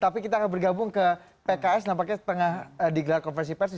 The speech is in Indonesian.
tapi kita akan bergabung ke pks nampaknya setengah digelar konversi persis